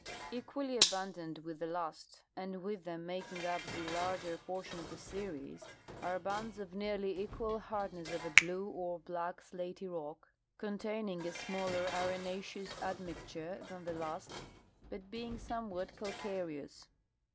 Equally abundant with the last, and with them making up 58 H. F. Reid — Studies of Muir ~ Glacier. the. larger portion of the series, are bands of nearly ec^ual hard ness of a blue or black slaty rock, containing a smaller arenaceous admixture than the last, but being somewhat calcareous.